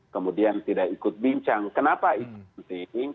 kemudian tidak ikut bincang kenapa itu penting